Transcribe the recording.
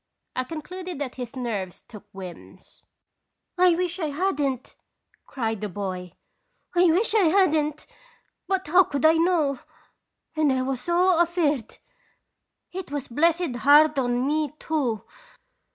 I concluded that his nerves took whims. "I wish I hadn't! cried the boy. "I wish I had'nt! But how could I know ? And I was so afeard ! It was blessed hard on me, too